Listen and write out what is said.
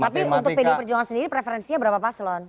tapi untuk pdi perjuangan sendiri preferensinya berapa paslon